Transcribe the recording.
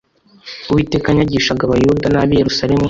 uwiteka yanyagishaga abayuda n ab i yerusalemu